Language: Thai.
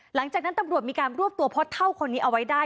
หลังจากนั้นตำรวจมีการรวบตัวพ่อเท่าคนนี้เอาไว้ได้